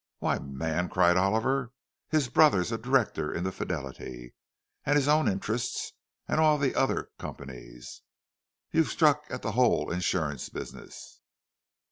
"Why, man," cried Oliver, "his brother's a director in the Fidelity! And his own interests—and all the other companies! You've struck at the whole insurance business!"